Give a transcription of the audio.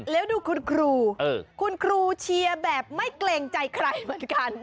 แล้วดูคุณครูคุณครูเชียร์แบบไม่เกรงใจใครเหมือนกัน